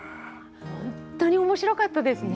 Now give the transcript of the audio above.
本当に面白かったですね。